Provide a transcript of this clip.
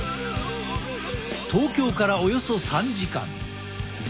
東京からおよそ３時間。